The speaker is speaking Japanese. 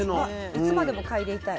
いつまでも嗅いでいたい。